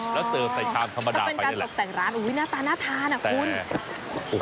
แล้วเติบใส่คางธรรมดาไปนี่แหละจะเป็นการตกแต่งร้านอุ๊ยหน้าตาน่าทานอะคุณ